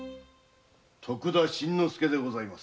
徳田新之助でございます。